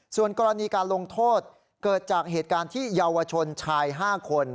ส่วนกรณีการลงโทษเกิดจากเหตุการณ์ที่เยาวชนชาย๕คน